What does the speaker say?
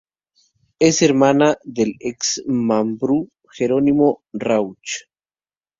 Es hermana del ex Mambrú, Gerónimo Rauch.